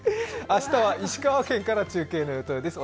明日は石川県から中継の予定です。